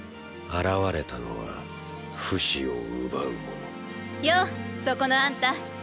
現れたのはフシを奪う者ようそこのあんた。